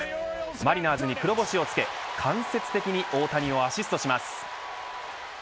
マリナーズに黒星を付け間接的に大谷をアシストします。